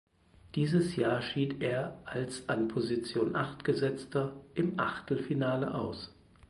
Dieses Jahr schied er als an Position acht Gesetzter im Achtelfinale aus.